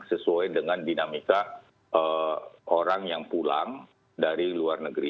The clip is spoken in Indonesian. sesuai dengan dinamika orang yang pulang dari luar negeri